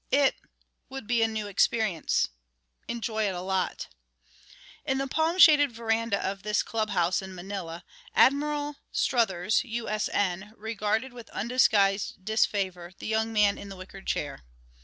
It ... would be a new experience ... enjoy it a lot...." In the palm shaded veranda of this club house in Manila, Admiral Struthers, U. S. N., regarded with undisguised disfavor the young man in the wicker chair.